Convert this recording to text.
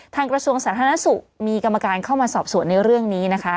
กระทรวงสาธารณสุขมีกรรมการเข้ามาสอบสวนในเรื่องนี้นะคะ